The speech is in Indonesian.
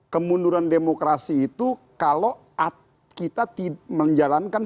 kemunduran demokrasi itu kalau kita menjalankan